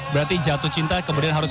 berarti jatuh cinta kemudian harus